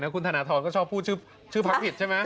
ก็ชอบพูดชื่อพักผิดใช่ไหม